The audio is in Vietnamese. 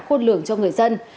khôn lưỡng cho người dân